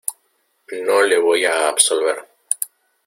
no le voy a absolver.